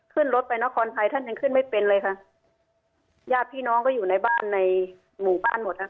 ขึ้นรถไปนครไทยท่านยังขึ้นไม่เป็นเลยค่ะญาติพี่น้องก็อยู่ในบ้านในหมู่บ้านหมดนะคะ